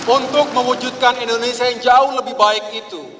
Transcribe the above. untuk mewujudkan indonesia yang jauh lebih baik itu